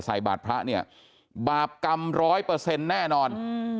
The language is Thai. ใส่บาทพระเนี่ยบาปกรรมร้อยเปอร์เซ็นต์แน่นอน